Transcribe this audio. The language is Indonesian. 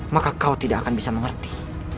maka kau tidak akan bisa mengerti